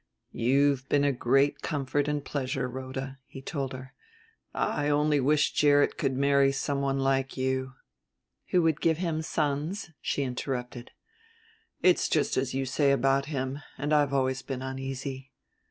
"You've been a great comfort and pleasure, Rhoda," he told her. "I only wish Gerrit could marry someone like you " "But who would give him sons," she interrupted. "It's just as you say about him, and I've always been uneasy.